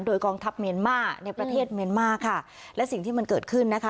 โดยกองทัพเมียนมาร์ในประเทศเมียนมาค่ะและสิ่งที่มันเกิดขึ้นนะคะ